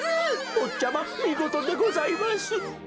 ぼっちゃまみごとでございます。